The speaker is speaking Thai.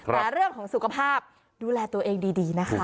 แต่เรื่องของสุขภาพดูแลตัวเองดีนะคะ